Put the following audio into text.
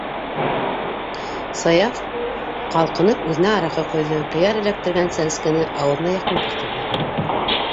- Саяф, ҡалҡынып үҙенә араҡы ҡойҙо, ҡыяр эләктергән сәнскене ауыҙына яҡын килтерҙе.